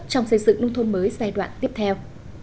trong xây dựng nông thôn mới giai đoạn tiếp theo